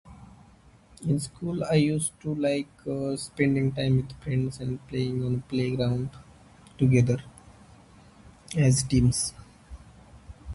In school I used to like spending time at [unintelligible] and playing on playground together as teams.